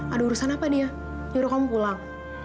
ada urusan apa dia nyuruh kamu pulang